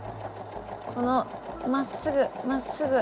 このまっすぐまっすぐ。